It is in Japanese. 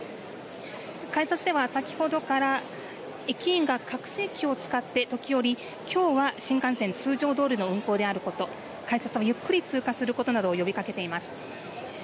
改札では先ほどから駅員が拡声器を使って時折きょうは新幹線通常どおりの運行であること、改札はゆっくり通過することなどを呼びかけています。